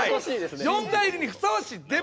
四大入りにふさわしいデマを！